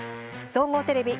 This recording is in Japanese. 総合テレビ